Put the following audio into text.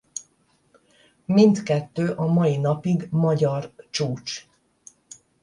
Mindkettő a mai napig magyar csúcs.